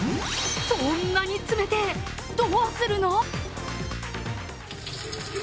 そんなに詰めて、どうするの？